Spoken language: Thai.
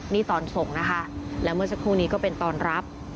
นี่ตอนส่งนะคะแล้วเมื่อสักครู่นี้ก็เป็นตอนรับ